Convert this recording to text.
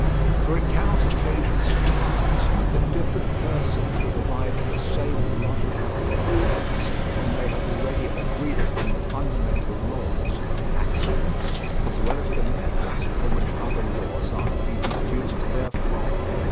For it cannot occasion surprise that different persons should arrive at the same logical conclusions when they have already agreed upon the fundamental laws (axioms), as well as the methods by which other laws are to be deduced therefrom.